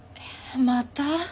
また？